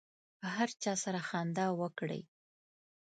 هر چا سره خندا وکړئ.